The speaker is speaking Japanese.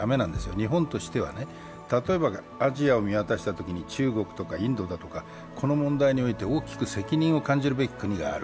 日本としては例えばアジアを見渡したときに中国とかインドだとか、この問題において大きく責任を感じるべき国がある。